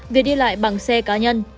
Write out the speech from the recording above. việc đi lại bằng xe cá nhân